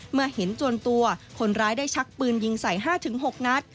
เมื่อเห็นจวนตัวคนร้ายได้ชักปืนยิงใส่๕๖นัด